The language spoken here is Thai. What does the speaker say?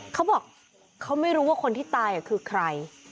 เขาบอกเขาไม่รู้ว่าคนที่ตายคือใคร